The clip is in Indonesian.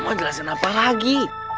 mau jelasin apa lagi